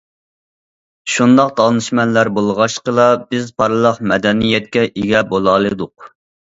شۇنداق دانىشمەنلەر بولغاچقىلا، بىز پارلاق مەدەنىيەتكە ئىگە بولالىدۇق.